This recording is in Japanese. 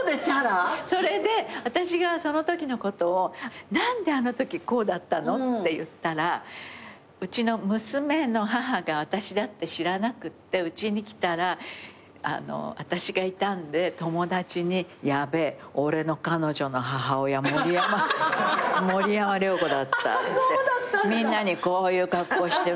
それで私がそのときのことを「何であのときこうだったの？」って言ったらうちの娘の母が私だって知らなくてうちに来たら私がいたんで友達に「ヤベえ。俺の彼女の母親森山良子だった」ってみんなにこういう格好してメールしてたって。